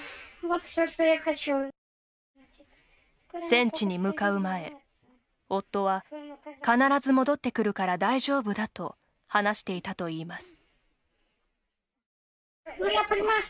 戦地に向かう前、夫は必ず戻ってくるから大丈夫だと話していたといいます。